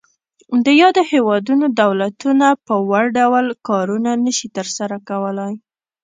د یادو هیوادونو دولتونه په وړ ډول کارونه نشي تر سره کولای.